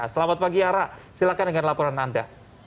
selamat pagi ara silakan dengan laporan anda